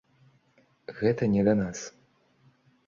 Гэта не да нас.